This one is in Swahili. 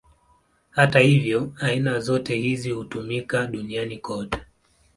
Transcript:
Hata hivyo, aina zote hizi hutumika duniani kote.